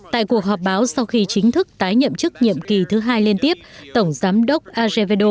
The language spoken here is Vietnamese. tại cuộc họp báo sau khi chính thức tái nhậm chức nhiệm kỳ thứ hai liên tiếp tổng giám đốc azevedo nhận định